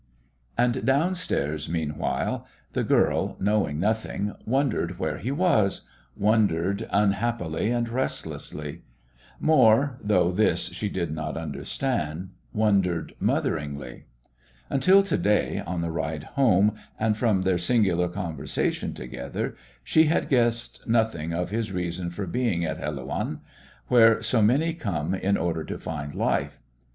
And downstairs, meanwhile, the girl, knowing nothing, wondered where he was, wondered unhappily and restlessly; more though this she did not understand wondered motheringly. Until to day, on the ride home, and from their singular conversation together, she had guessed nothing of his reason for being at Helouan, where so many come in order to find life.